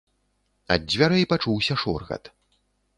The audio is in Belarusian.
Ад дзвярэй пачуўся шоргат.